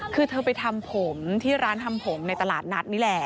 คือเธอไปทำผมที่ร้านทำผมในตลาดนัดนี่แหละ